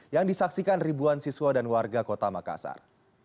yang disaksikan ribuan siswa dan warga kota makassar